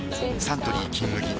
サントリー「金麦」